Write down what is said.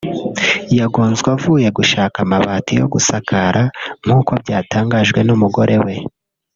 yagonzwe avuye gushaka amabati yo kugasakara nk’uko byatangajwe n’umugore we